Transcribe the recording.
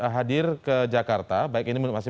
hadir ke jakarta baik ini masih